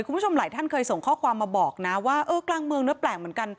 คุณผู้ชมหลายท่านเคยส่งข้อความมาบอกนะว่าเออกลางเมืองเนื้อแปลกเหมือนกัน